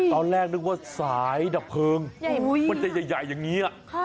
เอาแรกนึกว่าสายดะเพิงก็จะใหญ่อย่างนี้